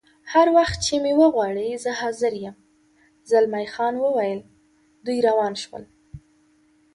هر وخت چې مې وغواړې زه حاضر یم، زلمی خان وویل: دوی روان شول.